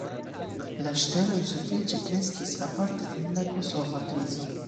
La ŝteloj sufiĉe kreskis aparte dum la kosova krizo.